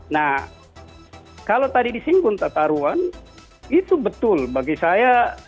nah kalau tadi disinggung tataruan itu betul bagi saya